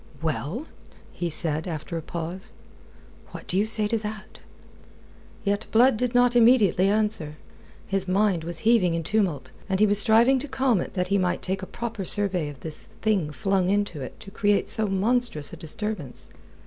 "Well?" he said alter a pause. "What do you say to that?" Yet Blood did not immediately answer. His mind was heaving in tumult, and he was striving to calm it that he might take a proper survey of this thing flung into it to create so monstrous a disturbance.